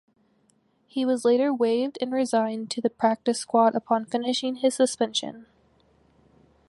He was later waived and resigned to the practice squad upon finishing his suspension.